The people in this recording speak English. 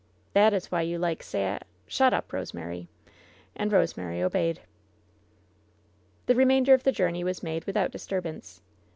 "That is why you like Sa ^^ "Shut up, Rosemary!" And Rosemary obeyed. The remainder of the journey was made without dis turbance.